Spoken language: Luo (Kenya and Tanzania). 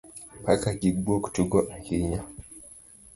Paka gi gwok tugo ahinya